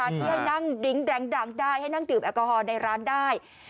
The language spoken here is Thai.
ที่ให้นั่งดริ้งดังได้ให้นั่งดื่มแอลกอฮอล์ในร้านได้